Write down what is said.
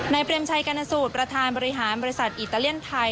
เปรมชัยกรณสูตรประธานบริหารบริษัทอิตาเลียนไทย